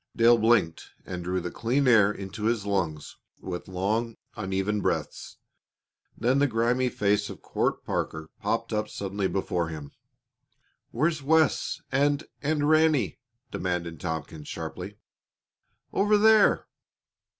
Dale blinked and drew the clean air into his lungs with long, uneven breaths. Then the grimy face of Court Parker popped up suddenly before him. "Where's Wes, and and Ranny?" demanded Tompkins sharply. "Over there."